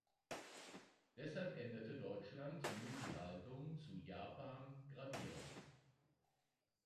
Deshalb änderte Deutschland nun die Haltung zu Japan gravierend.